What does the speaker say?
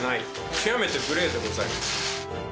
極めて無礼でございます。